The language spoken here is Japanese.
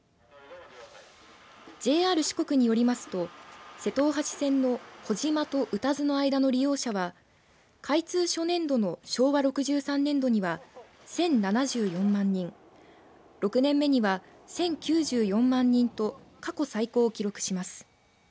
ＪＲ四国によりますと瀬戸大橋線の児島と宇多津の間の利用者は開通初年度の昭和６３年度には１０７４万人６年目には１０９４万人と過去最高を記録します。